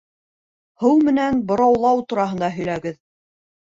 — Һыу менән быраулау тураһында һөйләгеҙ.